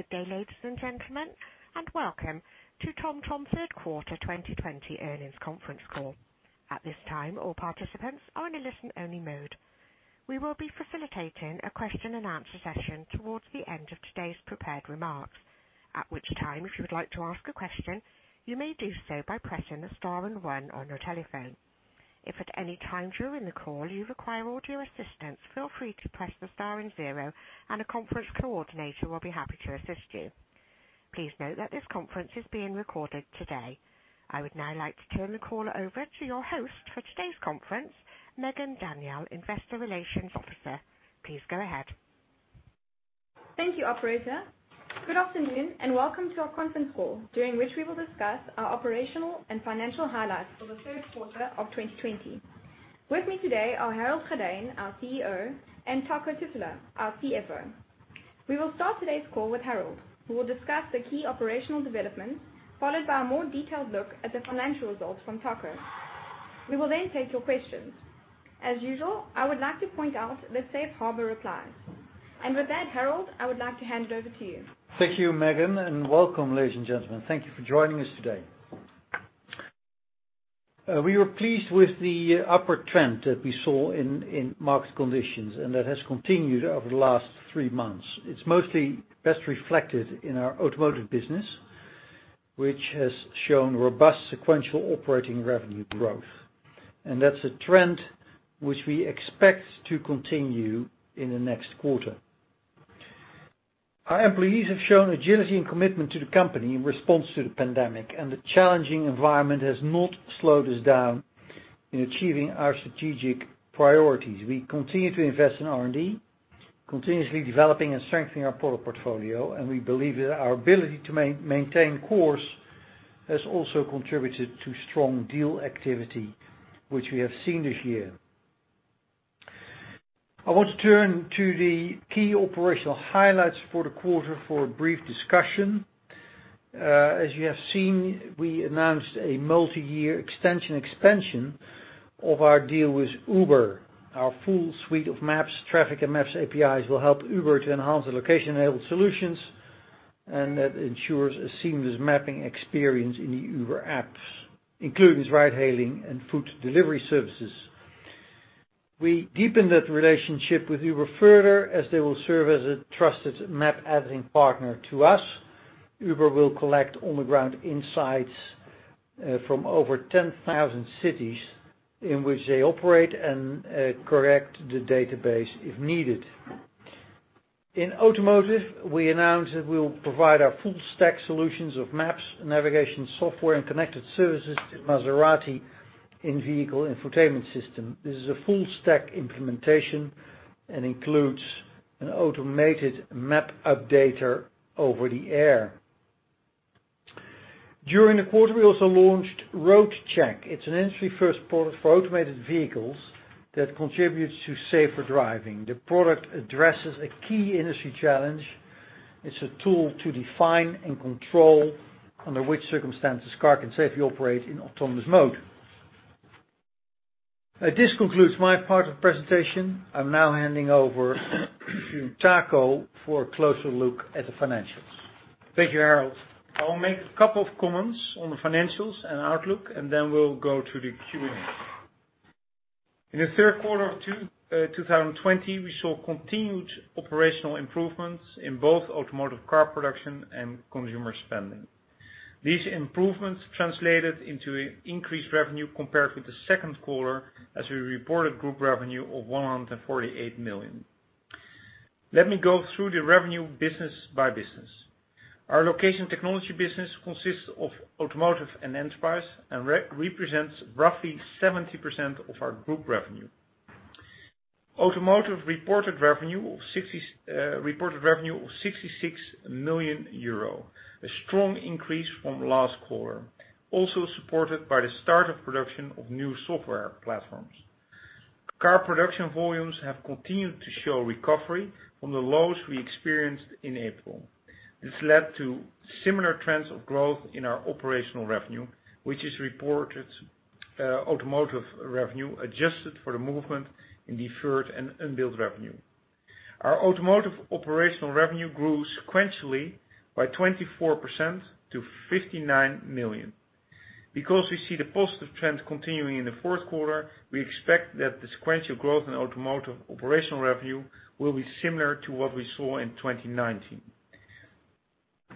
Good day, ladies and gentlemen, and welcome to TomTom third quarter 2020 earnings conference call. At this time, all participants are in a listen-only mode. We will be facilitating a question-and-answer session towards the end of today's prepared remarks. At which time, if you would like to ask a question, you may do so by pressing star and one on your telephone. If at any time during the call you require audio assistance, feel free to press the star and zero and a conference coordinator will be happy to assist you. Please note that this conference is being recorded today. I would now like to turn the call over to your host for today's conference, Megan Daniell, Investor Relations Officer. Please go ahead. Thank you, Operator. Good afternoon, and welcome to our conference call, during which we will discuss our operational and financial highlights for the third quarter of 2020. With me today are Harold Goddijn, our CEO, and Taco Titulaer, our CFO. We will start today's call with Harold, who will discuss the key operational developments, followed by a more detailed look at the financial results from Taco. We will then take your questions. As usual, I would like to point out the Safe Harbor applies. With that, Harold, I would like to hand it over to you. Thank you, Megan, and welcome, ladies and gentlemen. Thank you for joining us today. We were pleased with the upward trend that we saw in market conditions, that has continued over the last three months. It's mostly best reflected in our automotive business, which has shown robust sequential operating revenue growth. That's a trend which we expect to continue in the next quarter. Our employees have shown agility and commitment to the company in response to the pandemic, the challenging environment has not slowed us down in achieving our strategic priorities. We continue to invest in R&D, continuously developing and strengthening our product portfolio, we believe that our ability to maintain course has also contributed to strong deal activity, which we have seen this year. I want to turn to the key operational highlights for the quarter for a brief discussion. As you have seen, we announced a multi-year extension expansion of our deal with Uber. Our full suite of maps, traffic, and maps APIs will help Uber to enhance the location-enabled solutions. That ensures a seamless mapping experience in the Uber apps, including its ride hailing and food delivery services. We deepened that relationship with Uber further, as they will serve as a trusted map editing partner to us. Uber will collect on-the-ground insights from over 10,000 cities in which they operate and correct the database if needed. In automotive, we announced that we will provide our full stack solutions of maps, navigation software, and connected services to Maserati in-vehicle infotainment system. This is a full stack implementation and includes an automated map updater over the air. During the quarter, we also launched RoadCheck. It's an industry-first product for automated vehicles that contributes to safer driving. The product addresses a key industry challenge. It's a tool to define and control under which circumstances car can safely operate in autonomous mode. This concludes my part of the presentation. I'm now handing over to Taco for a closer look at the financials. Thank you, Harold. I will make a couple of comments on the financials and outlook, then we'll go to the Q&A. In the third quarter of 2020, we saw continued operational improvements in both automotive car production and consumer spending. These improvements translated into increased revenue compared with the second quarter, as we reported group revenue of 148 million. Let me go through the revenue business by business. Our location technology business consists of automotive and enterprise and represents roughly 70% of our group revenue. Automotive reported revenue of 66 million euro, a strong increase from last quarter, also supported by the start of production of new software platforms. Car production volumes have continued to show recovery from the lows we experienced in April. This led to similar trends of growth in our operational revenue, which is reported automotive revenue adjusted for the movement in deferred and unbilled revenue. Our automotive operational revenue grew sequentially by 24% to 59 million. Because we see the positive trend continuing in the fourth quarter, we expect that the sequential growth in automotive operational revenue will be similar to what we saw in 2019.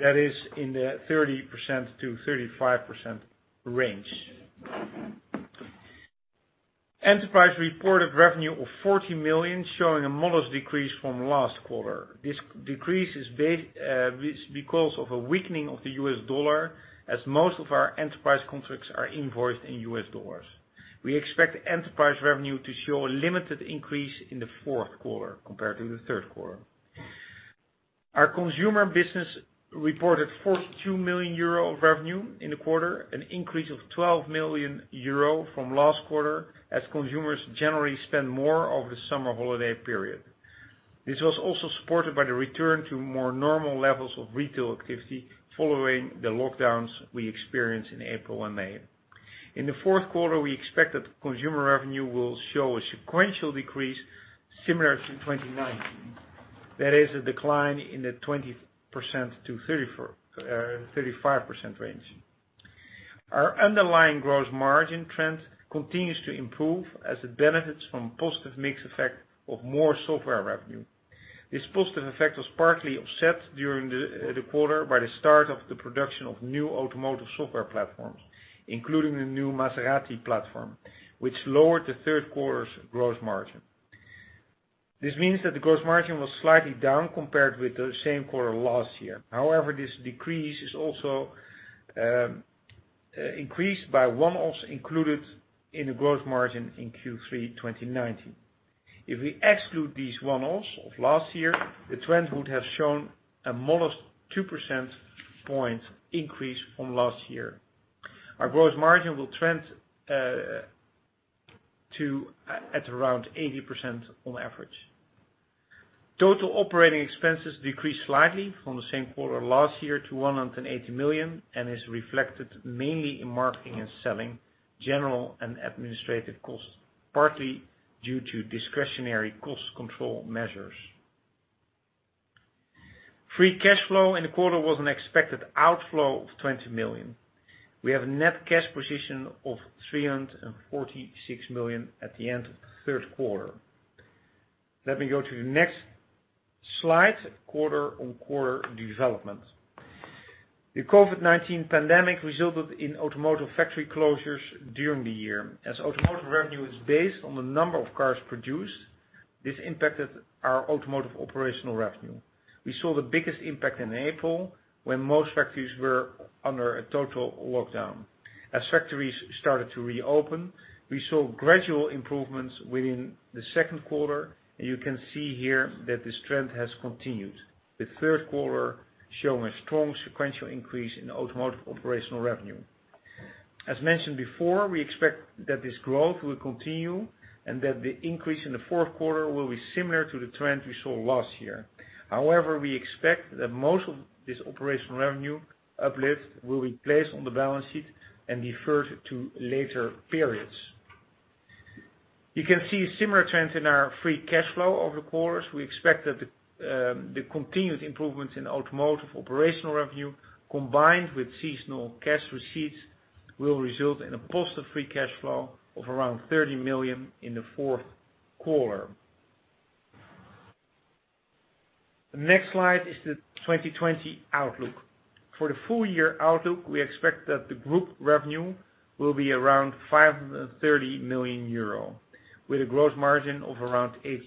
That is in the 30%-35% range. Enterprise reported revenue of 40 million, showing a modest decrease from last quarter. This decrease is because of a weakening of the US dollar, as most of our enterprise contracts are invoiced in US dollars. We expect enterprise revenue to show a limited increase in the fourth quarter compared to the third quarter. Our consumer business reported 42 million euro of revenue in the quarter, an increase of 12 million euro from last quarter, as consumers generally spend more over the summer holiday period. This was also supported by the return to more normal levels of retail activity following the lockdowns we experienced in April and May. In the fourth quarter, we expect that consumer revenue will show a sequential decrease similar to 2019. That is a decline in the 20%-35% range. Our underlying gross margin trend continues to improve as it benefits from positive mix effect of more software revenue. This positive effect was partly offset during the quarter by the start of the production of new automotive software platforms, including the new Maserati platform, which lowered the third quarter's gross margin. This means that the gross margin was slightly down compared with the same quarter last year. This decrease is also increased by one-offs included in the gross margin in Q3 2019. If we exclude these one-offs of last year, the trend would have shown a modest 2% point increase from last year. Our gross margin will trend at around 80% on average. Total operating expenses decreased slightly from the same quarter last year to 180 million and is reflected mainly in marketing and selling, general and administrative costs, partly due to discretionary cost control measures. Free cash flow in the quarter was an expected outflow of 20 million. We have a net cash position of 346 million at the end of the third quarter. Let me go to the next slide, quarter-on-quarter development. The COVID-19 pandemic resulted in automotive factory closures during the year. As automotive revenue is based on the number of cars produced, this impacted our automotive operational revenue. We saw the biggest impact in April, when most factories were under a total lockdown. As factories started to reopen, we saw gradual improvements within the second quarter, and you can see here that this trend has continued, with third quarter showing a strong sequential increase in automotive operational revenue. As mentioned before, we expect that this growth will continue and that the increase in the fourth quarter will be similar to the trend we saw last year. We expect that most of this operational revenue uplift will be placed on the balance sheet and deferred to later periods. You can see a similar trend in our free cash flow over the quarters. We expect that the continued improvements in automotive operational revenue, combined with seasonal cash receipts, will result in a positive free cash flow of around 30 million in the fourth quarter. The next slide is the 2020 outlook. For the full year outlook, we expect that the group revenue will be around 530 million euro, with a gross margin of around 80%.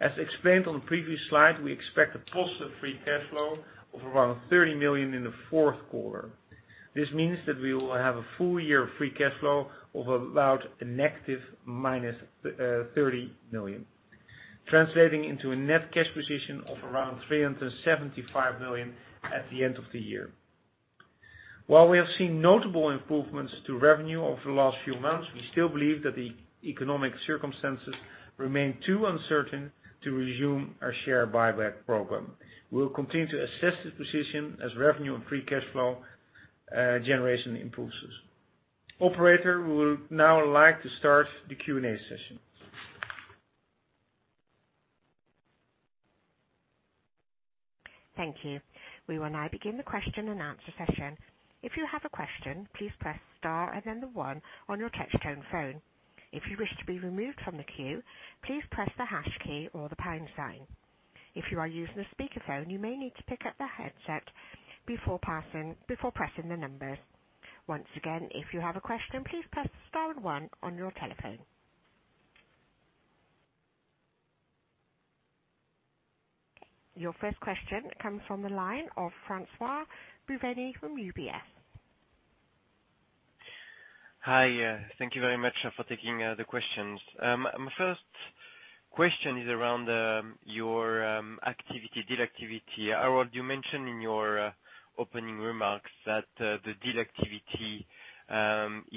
As explained on the previous slide, we expect a positive free cash flow of around 30 million in the fourth quarter. This means that we will have a full year free cash flow of about a negative 30 million, translating into a net cash position of around 375 million at the end of the year. While we have seen notable improvements to revenue over the last few months, we still believe that the economic circumstances remain too uncertain to resume our share buyback program. We will continue to assess this position as revenue and free cash flow generation improves. Operator, we would now like to start the Q&A session. Thank you. We will now begin the question-and-answer session If you have question please press star one on your touchtone phone if you wish to be removed from the queue please press the hash key or the pound sign if you use speaker phone you may need to pick up the haadset before pressing the number. Once again if you have the question please press star one on your telephone. Your first question comes from the line of François-Xavier Bouvignies from UBS. Hi. Thank you very much for taking the questions. My first question is around your deal activity. Harold, you mentioned in your opening remarks that the deal activity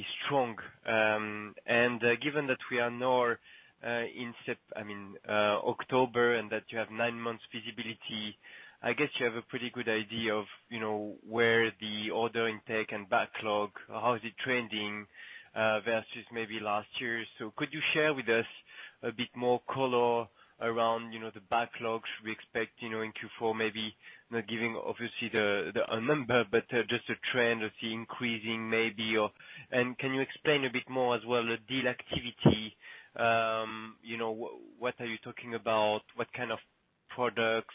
is strong. Given that we are now in October and that you have nine months visibility, I guess you have a pretty good idea of where the order intake and backlog, how is it trending versus maybe last year? Could you share with us a bit more color around the backlogs we expect in Q4, maybe not giving, obviously, a number, but just a trend of the increasing maybe? Can you explain a bit more as well the deal activity? What are you talking about? What kind of products,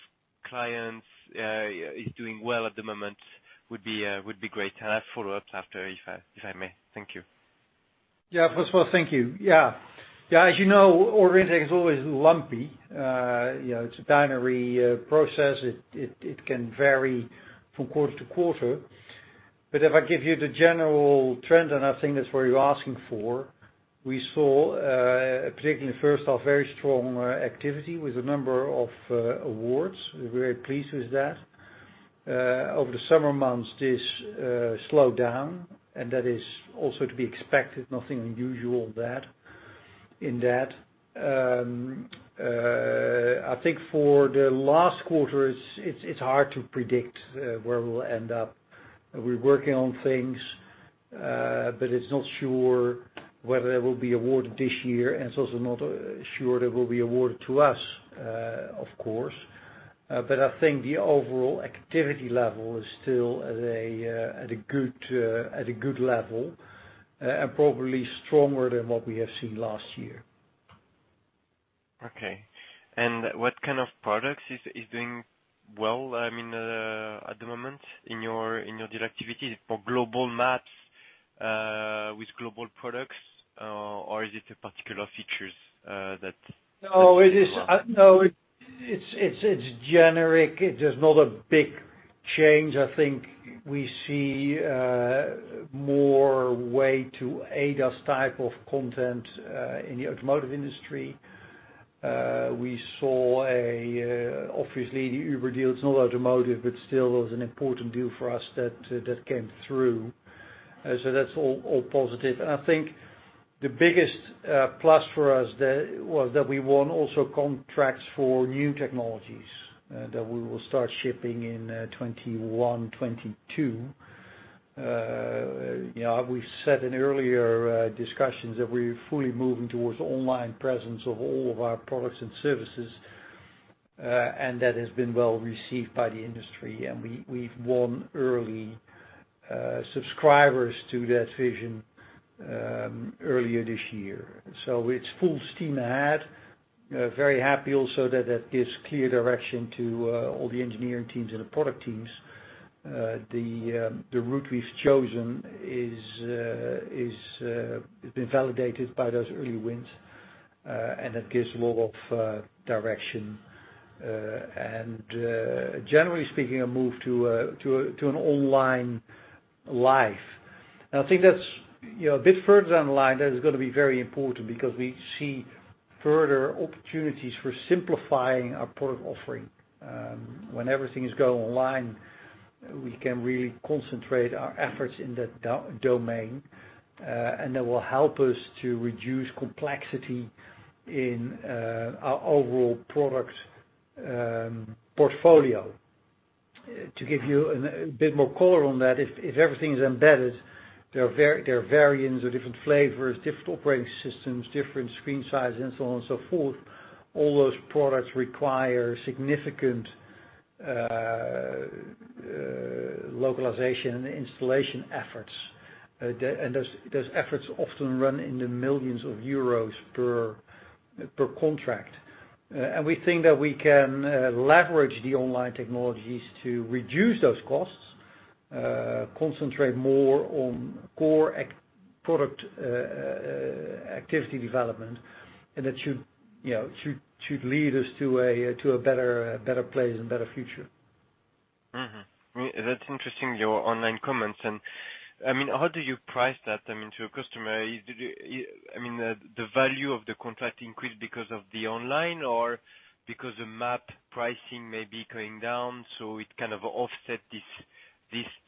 clients is doing well at the moment? Would be great. I have follow-ups after, if I may. Thank you. Yeah. François, thank you. As you know, order intake is always lumpy. It's a binary process. It can vary from quarter to quarter. If I give you the general trend, and I think that's what you're asking for, we saw, particularly in the first half, very strong activity with a number of awards. We're very pleased with that. Over the summer months, this slowed down, and that is also to be expected. Nothing unusual in that. I think for the last quarter, it's hard to predict where we'll end up. We're working on things, but it's not sure whether they will be awarded this year, and it's also not sure they will be awarded to us, of course. I think the overall activity level is still at a good level, and probably stronger than what we have seen last year. Okay. What kind of products is doing well, at the moment in your deal activity for global maps with global products? Is it the particular features that. No, it's generic. There's not a big change. I think we see more way to ADAS type of content, in the automotive industry. We saw, obviously the Uber deal. It's not automotive, but still, it was an important deal for us that came through. That's all positive. I think the biggest plus for us was that we won also contracts for new technologies that we will start shipping in 2021, 2022. We've said in earlier discussions that we're fully moving towards online presence of all of our products and services, and that has been well-received by the industry. We've won early subscribers to that vision earlier this year. It's full steam ahead. Very happy also that gives clear direction to all the engineering teams and the product teams. The route we've chosen has been validated by those early wins, and that gives a lot of direction. Generally speaking, a move to an online life. I think that's a bit further down the line, that is going to be very important because we see further opportunities for simplifying our product offering. When everything is go online, we can really concentrate our efforts in that domain, and that will help us to reduce complexity in our overall product portfolio. To give you a bit more color on that, if everything is embedded, there are variants of different flavors, different operating systems, different screen sizes and so on and so forth. All those products require significant localization and installation efforts. Those efforts often run in the millions of euros per contract. We think that we can leverage the online technologies to reduce those costs, concentrate more on core product activity development. That should lead us to a better place and better future. That's interesting, your online comments. How do you price that to a customer? The value of the contract increased because of the online or because the map pricing may be going down, so it kind of offset this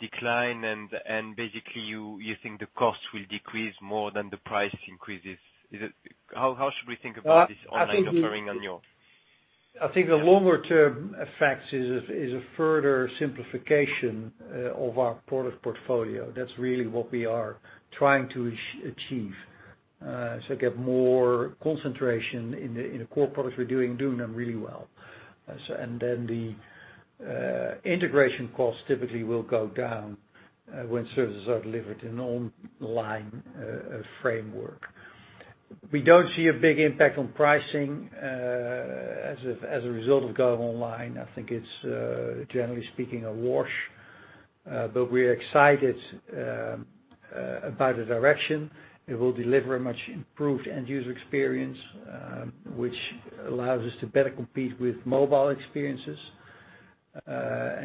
decline and basically you think the cost will decrease more than the price increases. How should we think about this online offering on your? I think the longer-term effect is a further simplification of our product portfolio. That's really what we are trying to achieve. Get more concentration in the core products we're doing them really well. The integration costs typically will go down when services are delivered in online framework. We don't see a big impact on pricing, as a result of going online. I think it's, generally speaking, a wash. We're excited about the direction. It will deliver a much improved end-user experience, which allows us to better compete with mobile experiences.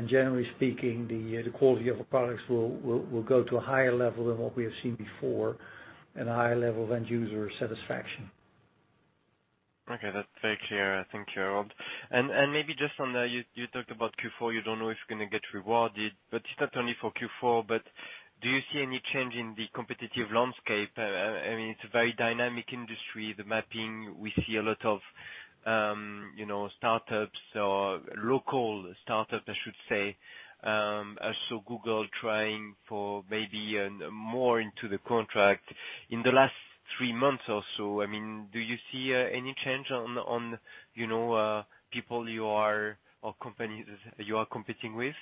Generally speaking, the quality of our products will go to a higher level than what we have seen before, and a higher level of end-user satisfaction. Okay, that's very clear. Thank you, Harold. Maybe just on there, you talked about Q4, you don't know if you're going to get rewarded, but it's not only for Q4. Do you see any change in the competitive landscape? It's a very dynamic industry, the mapping. We see a lot of startups or local startups, I should say. I saw Google trying for maybe more into the contract. In the last three months or so, do you see any change on people or companies you are competing with?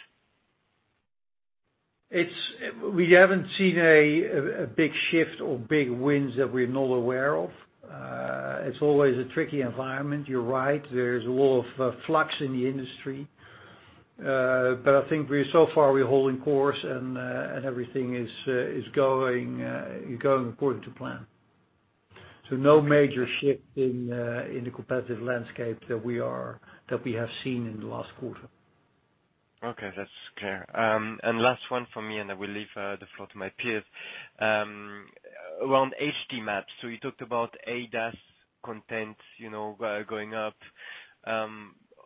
We haven't seen a big shift or big wins that we're not aware of. It's always a tricky environment, you're right. There's a lot of flux in the industry. I think so far we're holding course and everything is going according to plan. No major shift in the competitive landscape that we have seen in the last quarter. Okay, that's clear. Last one from me, and I will leave the floor to my peers. Around HD Maps, so you talked about ADAS content going up.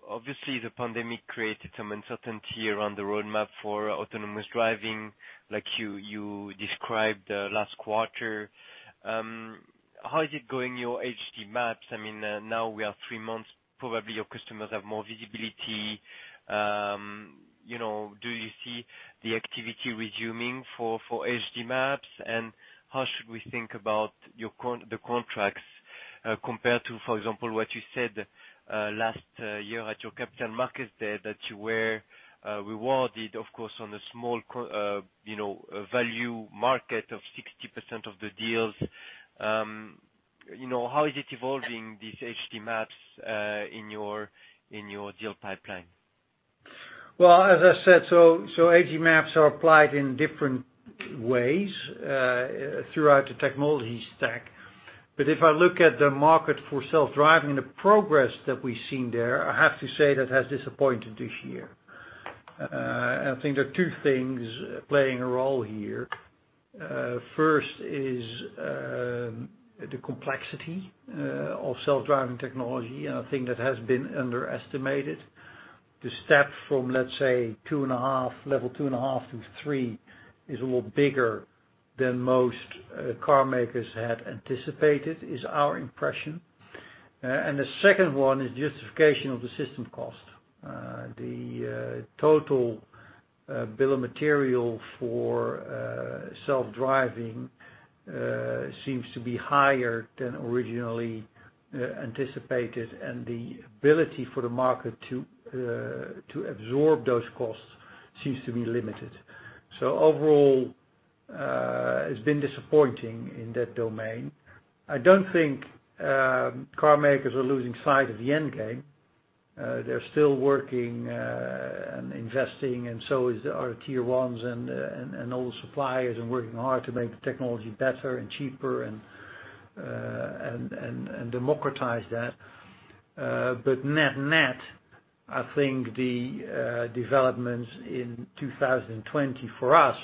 Obviously, the pandemic created some uncertainty around the roadmap for autonomous driving, like you described last quarter. How is it going, your HD Maps? Now we are three months, probably your customers have more visibility. Do you see the activity resuming for HD Maps? How should we think about the contracts, compared to, for example, what you said last year at your capital market there, that you were rewarded, of course, on a small value market of 60% of the deals. How is it evolving, this HD Maps, in your deal pipeline? As I said, HD Maps are applied in different ways throughout the technology stack. If I look at the market for self-driving and the progress that we've seen there, I have to say that has disappointed this year. I think there are two things playing a role here. First is the complexity of self-driving technology, and I think that has been underestimated. The step from, let's say, level 2.5 to 3 is a lot bigger than most car makers had anticipated, is our impression. The second one is justification of the system cost. The total bill of material for self-driving seems to be higher than originally anticipated, and the ability for the market to absorb those costs seems to be limited. Overall, it's been disappointing in that domain. I don't think car makers are losing sight of the end game. They're still working and investing, and so is our Tier 1s and all the suppliers, and working hard to make the technology better and cheaper and democratize that. Net net, I think the developments in 2020 for us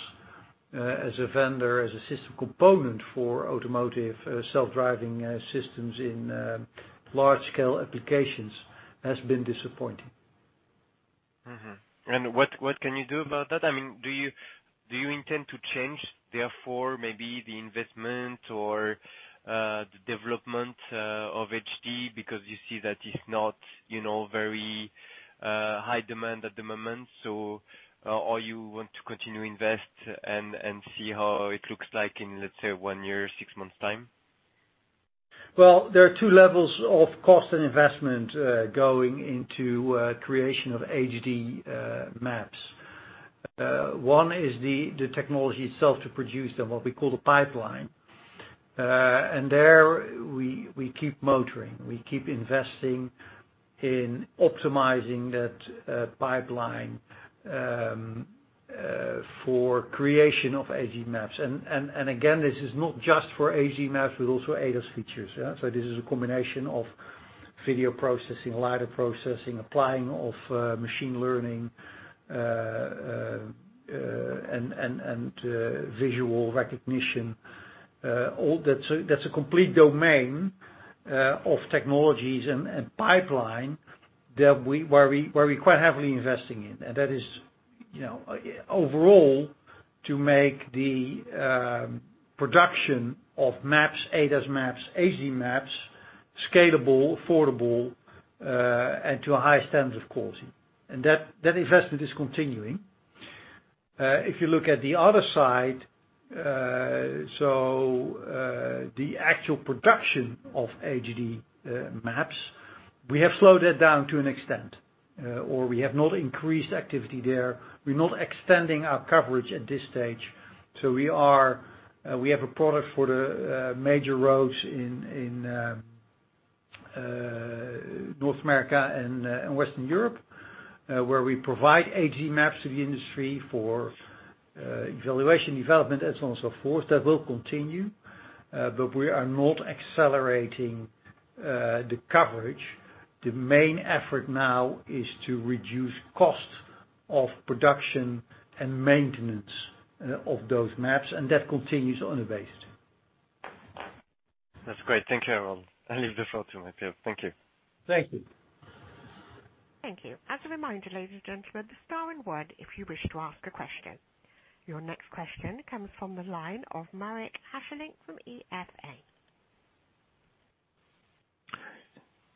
as a vendor, as a system component for automotive self-driving systems in large scale applications, has been disappointing. What can you do about that? Do you intend to change, therefore, maybe the investment or the development of HD because you see that it's not very high demand at the moment? Or you want to continue invest and see how it looks like in, let's say, one year, six months time? Well, there are two levels of cost and investment going into creation of HD Maps. One is the technology itself to produce them, what we call the pipeline. There, we keep motoring. We keep investing in optimizing that pipeline for creation of HD Maps. Again, this is not just for HD Maps, but also ADAS features. This is a combination of video processing, lidar processing, applying of machine learning, and visual recognition. That's a complete domain of technologies and pipeline where we're quite heavily investing in. That is overall to make the production of maps, ADAS maps, HD Maps, scalable, affordable, and to a high standard of quality. That investment is continuing. If you look at the other side, the actual production of HD Maps, we have slowed that down to an extent, or we have not increased activity there. We're not extending our coverage at this stage. We have a product for the major roads in North America and Western Europe, where we provide HD Maps to the industry for evaluation, development, and so on and so forth. That will continue, but we are not accelerating the coverage. The main effort now is to reduce cost of production and maintenance of those maps, and that continues unabated. That's great. Thank you, Harold. I leave the floor to my peer. Thank you. Thank you. Thank you. As a reminder, ladies and gentlemen, star and one, if you wish to ask a question. Your next question comes from the line of Marc Hesselink from ING.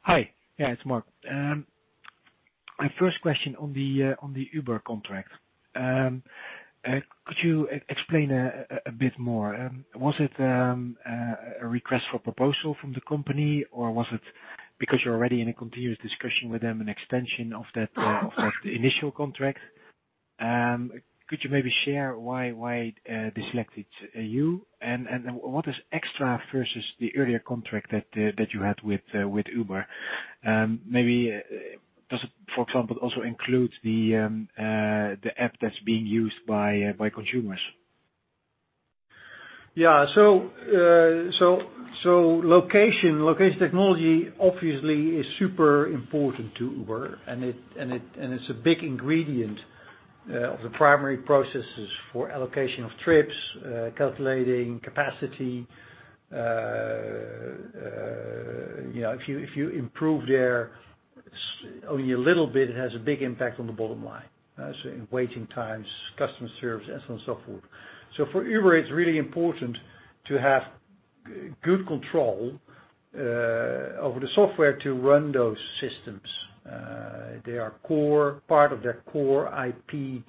Hi. Yeah, it's Marc. My first question on the Uber contract. Could you explain a bit more? Was it a request for proposal from the company, or was it because you're already in a continuous discussion with them, an extension of that initial contract? Could you maybe share why they selected you? What is extra versus the earlier contract that you had with Uber? Maybe does it, for example, also includes the app that's being used by consumers? Location technology obviously is super important to Uber, and it's a big ingredient of the primary processes for allocation of trips, calculating capacity. If you improve there only a little bit, it has a big impact on the bottom line. In waiting times, customer service, and so on, so forth. For Uber, it's really important to have good control over the software to run those systems. They are part of their core IP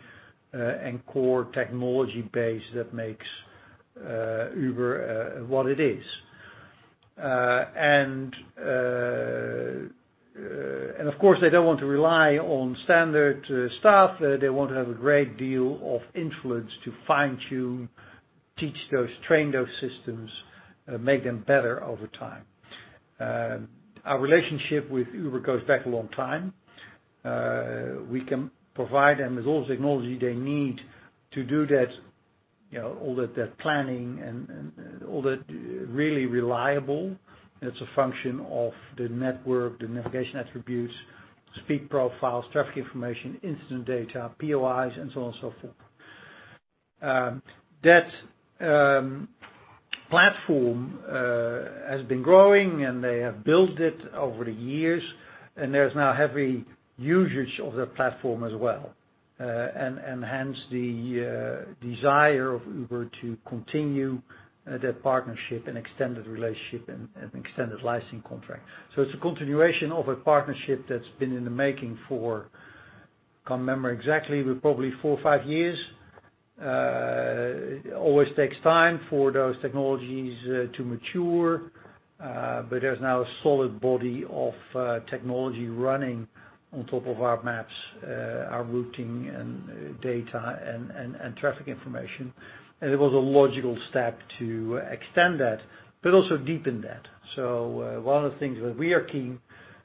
and core technology base that makes Uber what it is. Of course, they don't want to rely on standard stuff. They want to have a great deal of influence to fine-tune, teach those, train those systems, make them better over time. Our relationship with Uber goes back a long time. We can provide them with all the technology they need to do all that planning and all that really reliable. It's a function of the network, the navigation attributes, speed profiles, traffic information, incident data, POIs, and so on and so forth. That platform has been growing, and they have built it over the years, and there's now heavy usage of that platform as well. Hence the desire of Uber to continue that partnership and extended relationship and extended licensing contract. It's a continuation of a partnership that's been in the making for, can't remember exactly, but probably four or five years. Always takes time for those technologies to mature. There's now a solid body of technology running on top of our maps, our routing and data and traffic information. It was a logical step to extend that, but also deepen that. One of the things that we are keen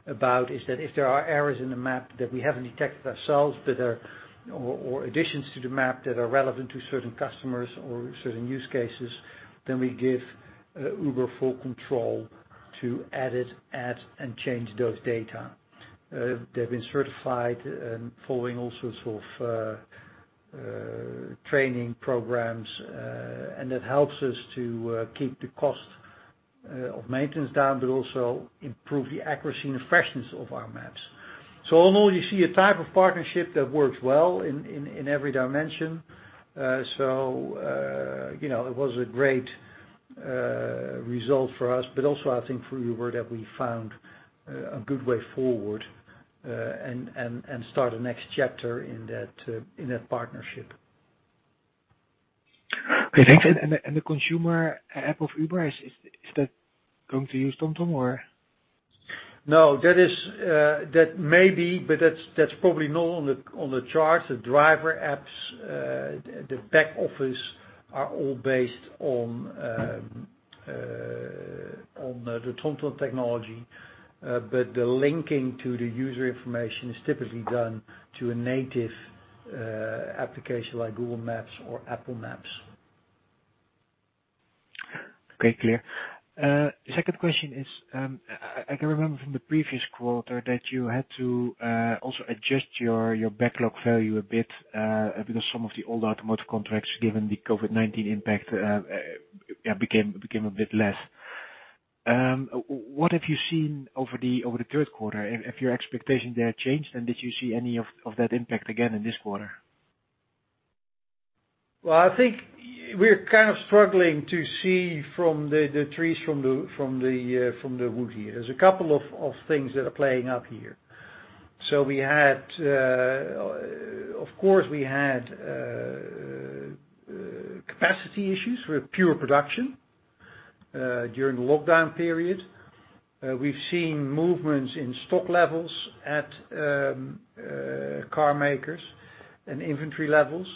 about is that if there are errors in the map that we haven't detected ourselves, or additions to the map that are relevant to certain customers or certain use cases, we give Uber full control to edit, add, and change those data. They've been certified following all sorts of training programs, and that helps us to keep the cost of maintenance down, but also improve the accuracy and the freshness of our maps. All in all, you see a type of partnership that works well in every dimension. It was a great result for us, but also I think for Uber that we found a good way forward and start the next chapter in that partnership. Okay, thanks. The consumer app of Uber, is that going to use TomTom or? No. That may be, that's probably not on the charts. The driver apps, the back office are all based on the TomTom technology. The linking to the user information is typically done to a native application like Google Maps or Apple Maps. Okay, clear. Second question is, I can remember from the previous quarter that you had to also adjust your backlog value a bit, because some of the old automotive contracts, given the COVID-19 impact, became a bit less. What have you seen over the third quarter? Have your expectations there changed? Did you see any of that impact again in this quarter? Well, I think we're kind of struggling to see from the trees from the wood here. There is a couple of things that are playing up here. Of course, we had capacity issues with pure production during the lockdown period. We have seen movements in stock levels at car makers and inventory levels.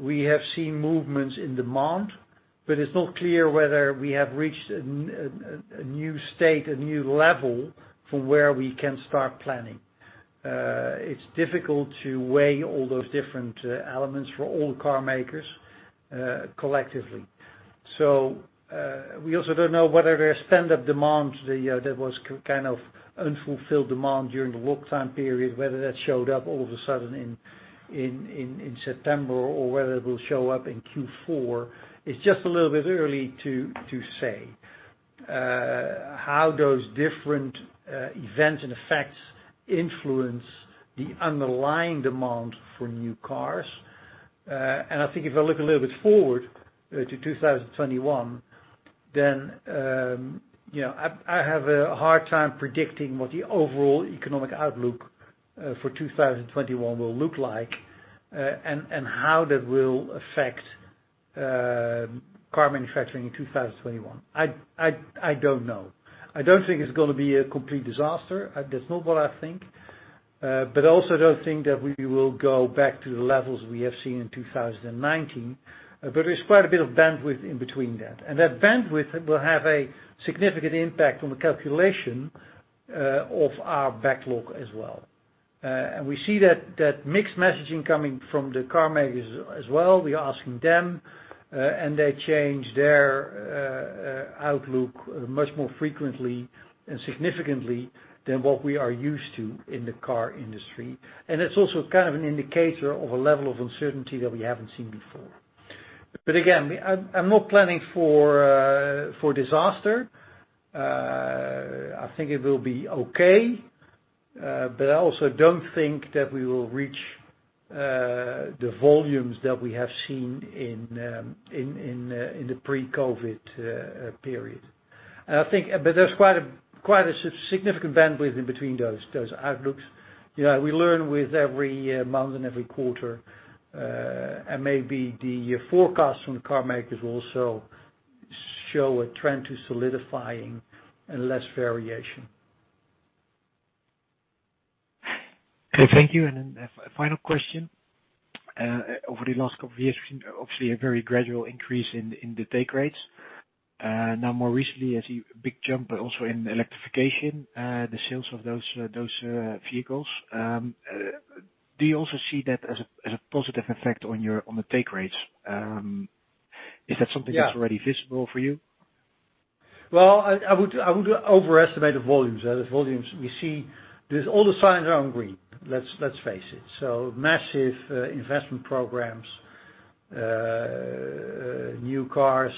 We have seen movements in demand, but it is not clear whether we have reached a new state, a new level from where we can start planning. It is difficult to weigh all those different elements for all car makers collectively. We also don't know whether there is pent-up demand, that was kind of unfulfilled demand during the lockdown period, whether that showed up all of a sudden in September or whether it will show up in Q4. It is just a little bit early to say how those different events and effects influence the underlying demand for new cars. I think if I look a little bit forward to 2021, then I have a hard time predicting what the overall economic outlook for 2021 will look like, and how that will affect car manufacturing in 2021. I don't know. I don't think it's going to be a complete disaster. That's not what I think. I also don't think that we will go back to the levels we have seen in 2019. There's quite a bit of bandwidth in between that. That bandwidth will have a significant impact on the calculation of our backlog as well. We see that mixed messaging coming from the car makers as well. We are asking them, and they change their outlook much more frequently and significantly than what we are used to in the car industry. That's also kind of an indicator of a level of uncertainty that we haven't seen before. Again, I'm not planning for disaster. I think it will be okay. I also don't think that we will reach the volumes that we have seen in the pre-COVID period. There's quite a significant bandwidth in between those outlooks. We learn with every month and every quarter, and maybe the forecast from the car makers will also show a trend to solidifying and less variation. Okay, thank you. A final question. Over the last couple of years, we've seen obviously a very gradual increase in the take rates. More recently, I see a big jump, but also in electrification, the sales of those vehicles. Do you also see that as a positive effect on the take rates? Is that something that's already visible for you? Well, I would overestimate the volumes. The volumes we see, all the signs are on green. Let's face it. Massive investment programs, new cars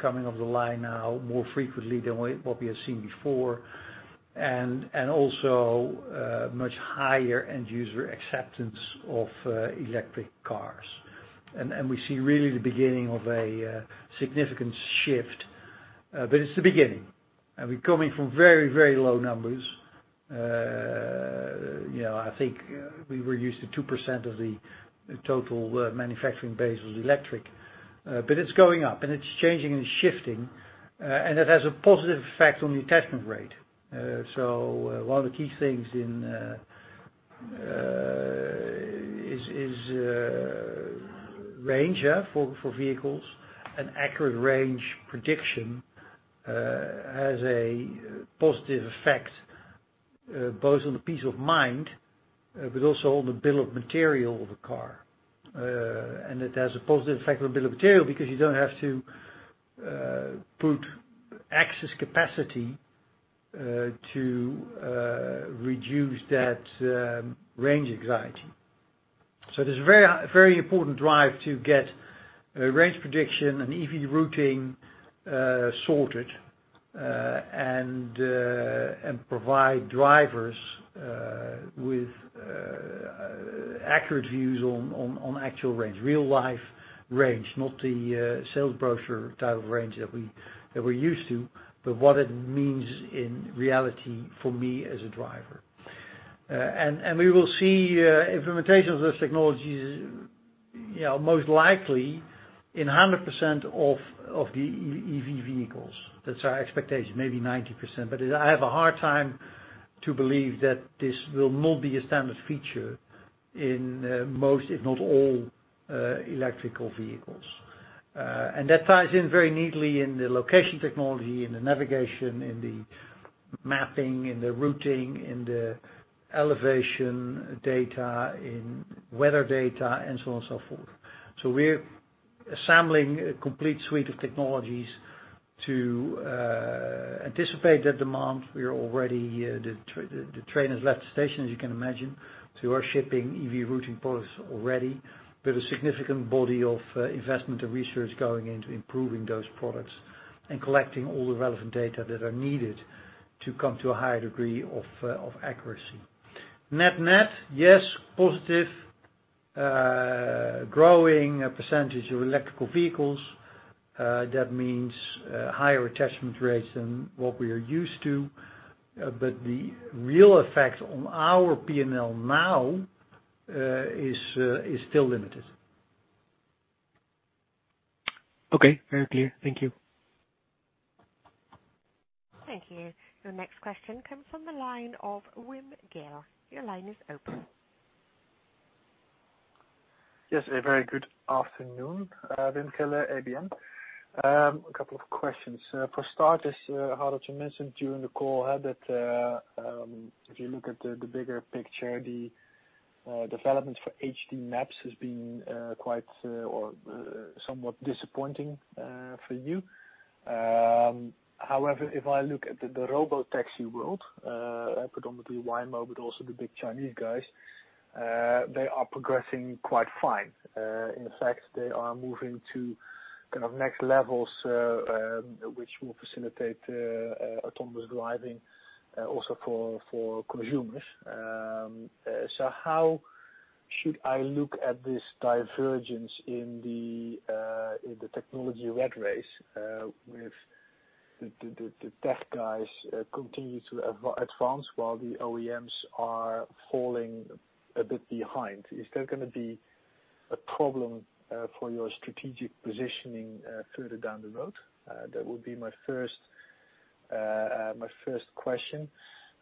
coming off the line now more frequently than what we have seen before, and also much higher end user acceptance of electric cars. We see really the beginning of a significant shift. It's the beginning, and we're coming from very low numbers. I think we were used to 2% of the total manufacturing base was electric. It's going up, and it's changing and shifting, and it has a positive effect on the attachment rate. One of the key things is range for vehicles and accurate range prediction has a positive effect both on the peace of mind but also on the bill of material of a car. It has a positive effect on the bill of material because you don't have to put excess capacity to reduce that range anxiety. There's a very important drive to get range prediction and EV routing sorted and provide drivers with accurate views on actual range, real life range, not the sales brochure type of range that we're used to, but what it means in reality for me as a driver. We will see implementation of those technologies, most likely in 100% of the EV vehicles. That's our expectation. Maybe 90%. I have a hard time to believe that this will not be a standard feature in most, if not all, electrical vehicles. That ties in very neatly in the location technology, in the navigation, in the mapping, in the routing, in the elevation data, in weather data, and so on and so forth. We're assembling a complete suite of technologies to anticipate that demand. The train has left the station, as you can imagine. We are shipping EV routing products already, but a significant body of investment and research going into improving those products and collecting all the relevant data that are needed to come to a higher degree of accuracy. Net-net, yes, positive, growing percentage of electrical vehicles. That means higher attachment rates than what we are used to. The real effect on our P&L now is still limited. Okay. Very clear. Thank you. Thank you. Your next question comes from the line of Wim Gille. Your line is open. Yes, a very good afternoon. Wim Gille, ABN. A couple of questions. For starters, Harold, you mentioned during the call that if you look at the bigger picture, the development for HD Maps has been quite or somewhat disappointing for you. However, if I look at the robotaxi world, predominantly Waymo but also the big Chinese guys, they are progressing quite fine. In fact, they are moving to next levels, which will facilitate autonomous driving also for consumers. How should I look at this divergence in the technology rat race with the tech guys continue to advance while the OEMs are falling a bit behind? Is there going to be a problem for your strategic positioning further down the road? That would be my first question.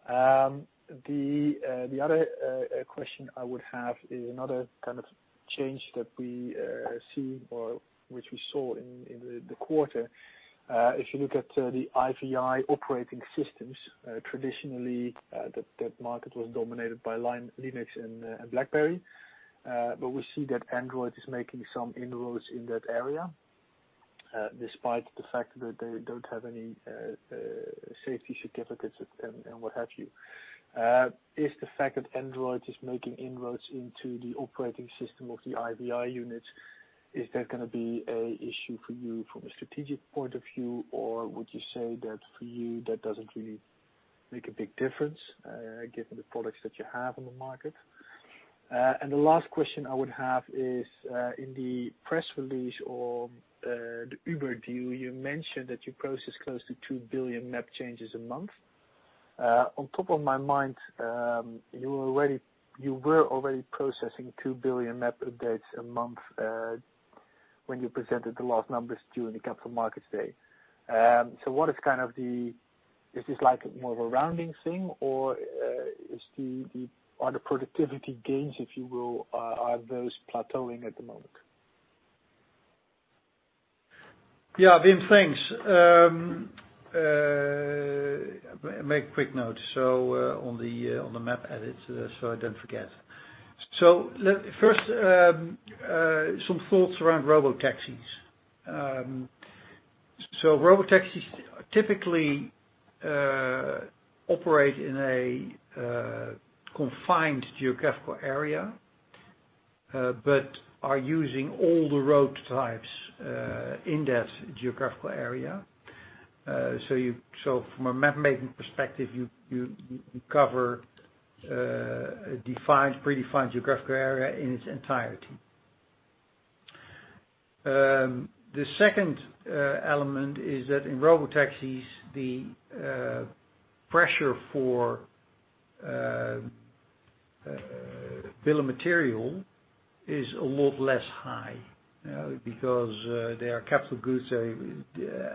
The other question I would have is another kind of change that we see or which we saw in the quarter. If you look at the IVI operating systems, traditionally, that market was dominated by Linux and BlackBerry. We see that Android is making some inroads in that area, despite the fact that they don't have any safety certificates and what have you. Is the fact that Android is making inroads into the operating system of the IVI units? Is that going to be a issue for you from a strategic point of view, or would you say that for you, that doesn't really make a big difference given the products that you have in the market? The last question I would have is, in the press release or the Uber deal, you mentioned that you process close to 2 billion map changes a month. On top of my mind, you were already processing 2 billion map updates a month, when you presented the last numbers to in the capital markets day. Is this like more of a rounding thing, or are the productivity gains, if you will, are those plateauing at the moment? Yeah, Wim, thanks. Make quick notes on the map edits, so I don't forget. First, some thoughts around robotaxis. Robotaxis typically operate in a confined geographical area, but are using all the road types in that geographical area. From a map-making perspective, you cover a predefined geographical area in its entirety. The second element is that in robotaxis, the pressure for bill of material is a lot less high because they are capital goods, they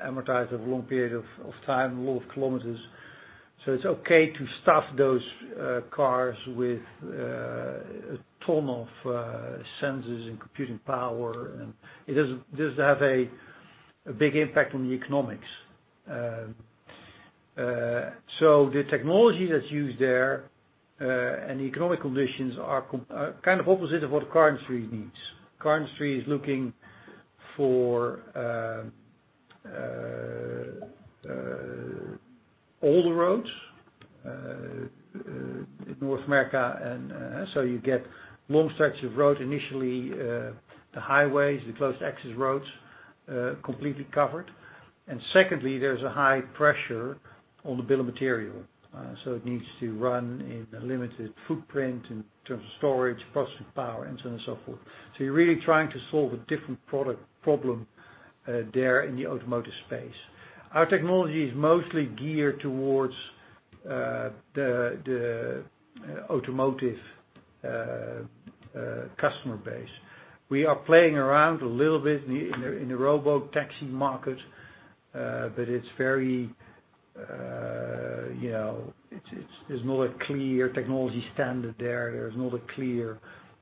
amortize over a long period of time, a lot of kilometers. It's okay to stuff those cars with a ton of sensors and computing power, and it doesn't have a big impact on the economics. The technology that's used there, and the economic conditions are kind of opposite of what the car industry needs. Car industry is looking for all the roads in North America. You get long stretches of road, initially the highways, the closed access roads, completely covered. Secondly, there's a high pressure on the bill of material. It needs to run in a limited footprint in terms of storage, processing power, and so on and so forth. You're really trying to solve a different product problem there in the automotive space. Our technology is mostly geared towards the automotive customer base. We are playing around a little bit in the robotaxi market, but there's not a clear technology standard there. There's not a clear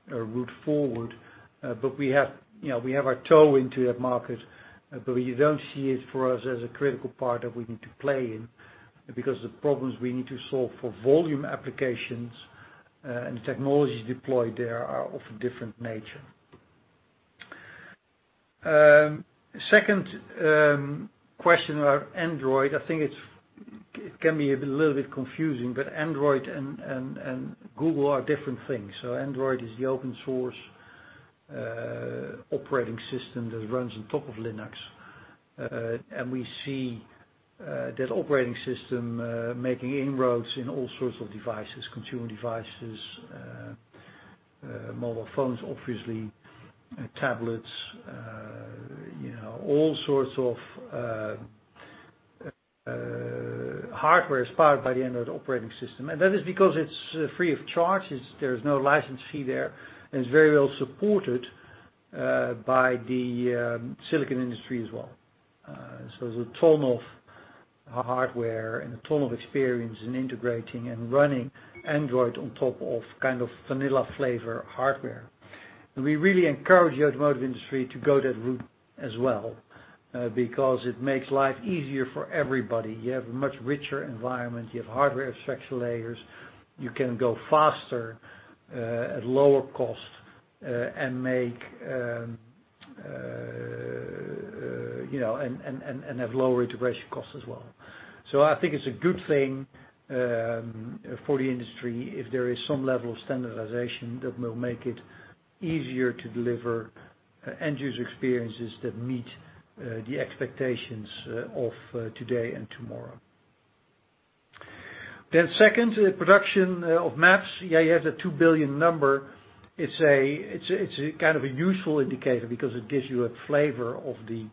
route forward. We have our toe into that market, but we don't see it for us as a critical part that we need to play in because the problems we need to solve for volume applications, and the technologies deployed there are of a different nature. Second question about Android, I think it can be a little bit confusing, but Android and Google are different things. Android is the open source operating system that runs on top of Linux. We see that operating system making inroads in all sorts of devices, consumer devices, mobile phones, obviously, tablets, all sorts of hardware is powered by the Android operating system. That is because it's free of charge. There's no license fee there, and it's very well supported by the silicon industry as well. There's a ton of hardware and a ton of experience in integrating and running Android on top of vanilla flavor hardware. We really encourage the automotive industry to go that route as well, because it makes life easier for everybody. You have a much richer environment. You have hardware abstraction layers. You can go faster at lower cost, and have lower integration costs as well. I think it's a good thing for the industry if there is some level of standardization that will make it easier to deliver end user experiences that meet the expectations of today and tomorrow. Second, the production of maps. Yeah, you have that 2 billion number. It's a useful indicator because it gives you a flavor of the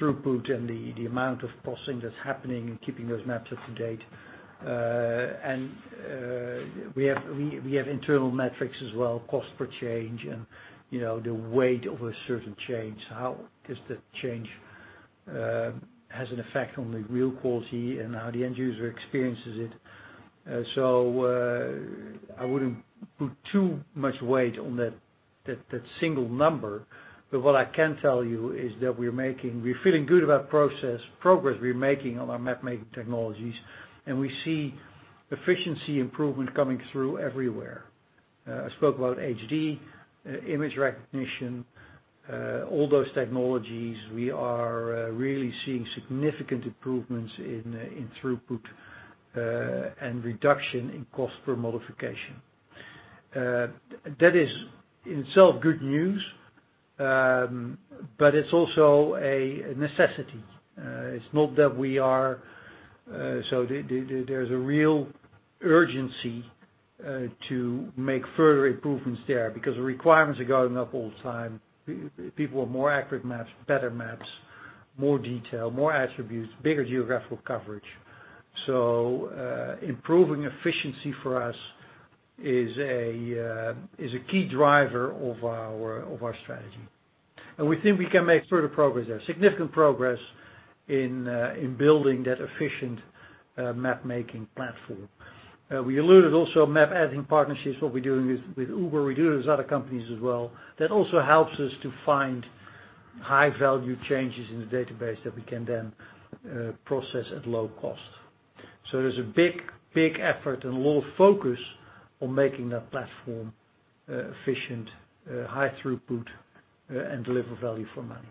throughput and the amount of processing that's happening and keeping those maps up to date. We have internal metrics as well, cost per change and the weight of a certain change, how does that change have an effect on the real quality and how the end user experiences it. I wouldn't put too much weight on that single number, but what I can tell you is that we're feeling good about progress we're making on our map-making technologies, and we see efficiency improvement coming through everywhere. I spoke about HD, image recognition. All those technologies, we are really seeing significant improvements in throughput and reduction in cost per modification. That is in itself good news, but it's also a necessity. There's a real urgency to make further improvements there, because the requirements are going up all the time. People want more accurate maps, better maps, more detail, more attributes, bigger geographical coverage. Improving efficiency for us is a key driver of our strategy. We think we can make further progress there, significant progress in building that efficient mapmaking platform. We alluded also map editing partnerships, what we're doing with Uber, we do it with other companies as well. That also helps us to find high-value changes in the database that we can then process at low cost. There's a big effort and a lot of focus on making that platform efficient, high throughput, and deliver value for money.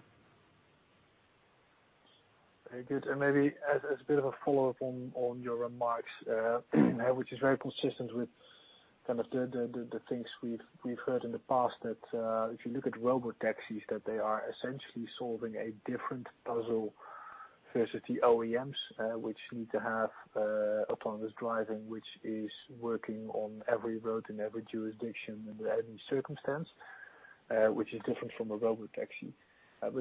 Very good. Maybe as a bit of a follow-up on your remarks, which is very consistent with kind of the things we've heard in the past that, if you look at robotaxis, that they are essentially solving a different puzzle versus the OEMs, which need to have autonomous driving, which is working on every road in every jurisdiction and every circumstance, which is different from a robotaxi.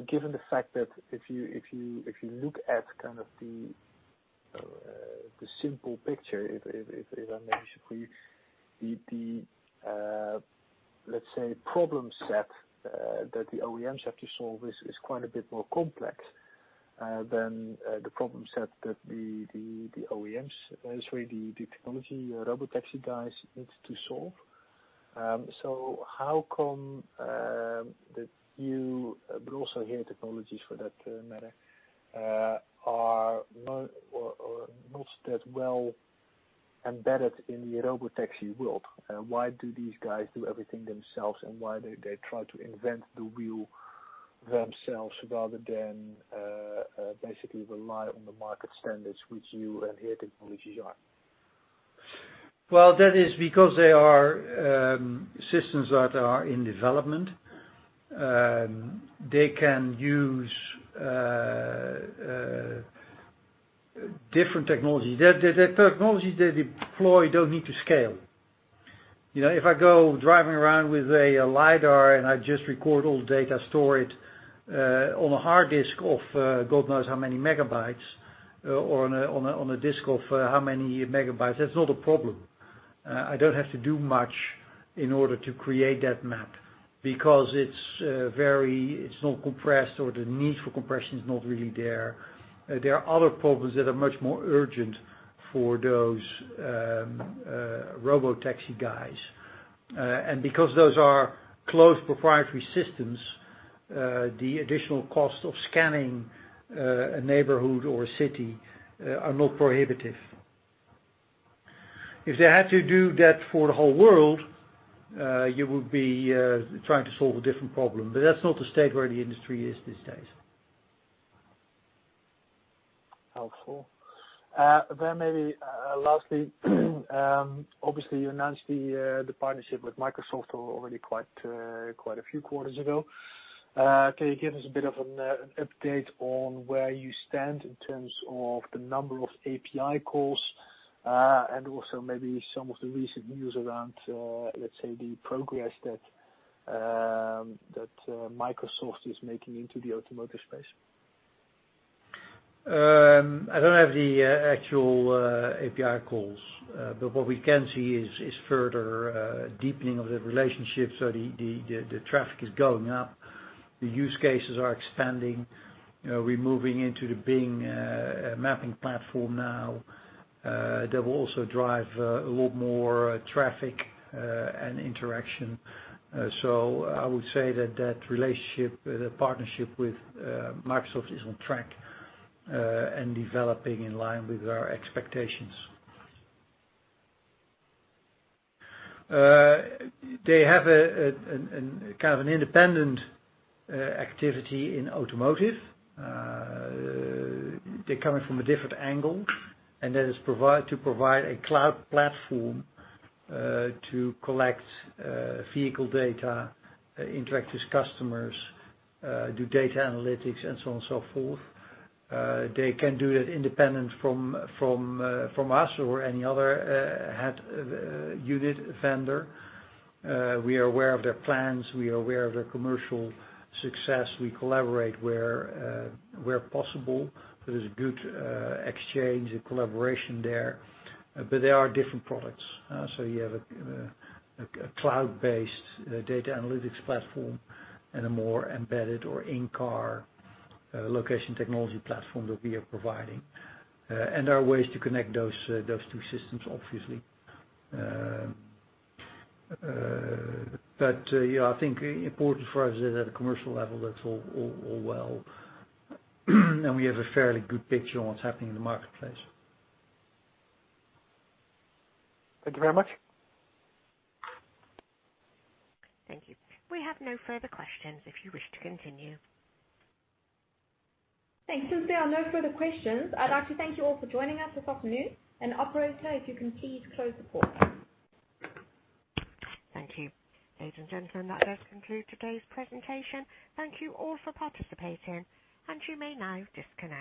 Given the fact that if you look at kind of the simple picture, if I may say for you, let's say, problem set that the OEMs have to solve is quite a bit more complex than the problem set that the technology robotaxi guys need to solve. How come that you, but also HERE Technologies for that matter, are not that well embedded in the robotaxi world? Why do these guys do everything themselves, and why do they try to invent the wheel themselves rather than basically rely on the market standards which you and HERE Technologies are? Well, that is because they are systems that are in development. They can use different technologies. The technologies they deploy don't need to scale. If I go driving around with a lidar and I just record all the data, store it on a hard disk of God knows how many megabytes, or on a disk of how many megabytes, that's not a problem. I don't have to do much in order to create that map because it's not compressed or the need for compression is not really there. There are other problems that are much more urgent for those robotaxi guys. Because those are closed proprietary systems, the additional cost of scanning a neighborhood or a city are not prohibitive. If they had to do that for the whole world, you would be trying to solve a different problem, but that's not the state where the industry is these days. Helpful. Maybe lastly, obviously you announced the partnership with Microsoft already quite a few quarters ago. Can you give us a bit of an update on where you stand in terms of the number of API calls and also maybe some of the recent news around, let's say, the progress that Microsoft is making into the automotive space? I don't have the actual API calls. What we can see is further deepening of the relationship. The traffic is going up, the use cases are expanding. We're moving into the Bing mapping platform now. That will also drive a lot more traffic and interaction. I would say that that relationship, the partnership with Microsoft is on track and developing in line with our expectations. They have a kind of an independent activity in automotive. They're coming from a different angle, and that is to provide a cloud platform to collect vehicle data, interact with customers, do data analytics, and so on and so forth. They can do that independent from us or any other head unit vendor. We are aware of their plans. We are aware of their commercial success. We collaborate where possible. There's a good exchange and collaboration there. They are different products. You have a cloud-based data analytics platform and a more embedded or in-car location technology platform that we are providing. There are ways to connect those two systems, obviously. I think important for us at a commercial level, that's all well. We have a fairly good picture on what's happening in the marketplace. Thank you very much. Thank you. We have no further questions if you wish to continue. Thanks. Since there are no further questions, I'd like to thank you all for joining us this afternoon. Operator, if you can please close the call. Thank you. Ladies and gentlemen, that does conclude today's presentation. Thank you all for participating. You may now disconnect.